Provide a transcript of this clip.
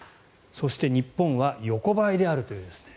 そして、日本は横ばいであるという。